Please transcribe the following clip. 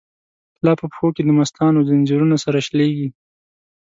لا په پښو کی دمستانو، ځنځیرونه سره شلیږی